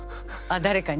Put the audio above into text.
誰かに？